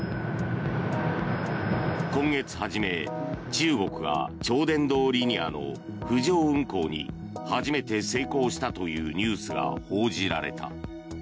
今月初め、中国が超電導リニアの浮上運行に初めて成功したというニュースが報じられた。